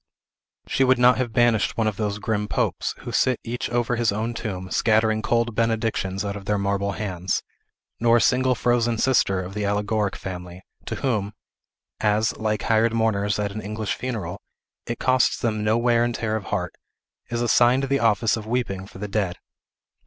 She would not have banished one of those grim popes, who sit each over his own tomb, scattering cold benedictions out of their marble hands; nor a single frozen sister of the Allegoric family, to whom as, like hired mourners at an English funeral, it costs them no wear and tear of heart is assigned the office of weeping for the dead.